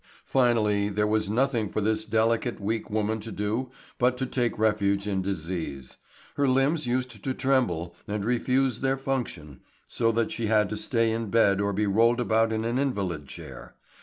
Finally, there was nothing for this delicate, weak woman to do but to take refuge in disease. Her limbs used to tremble and refuse their function, so that she had to stay in bed or be rolled about in an invalid chair.